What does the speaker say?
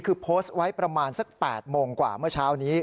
คือโพสต์ไว้ประมาณสัก๘โมงกว่าเมื่อเช้านี้